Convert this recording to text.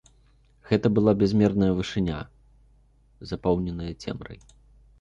Гэта была бязмерная вышыня, запоўненая цемрай.